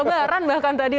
lebaran bahkan tadi